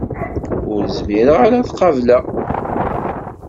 Ur zmireɣ ara ad qebleɣ.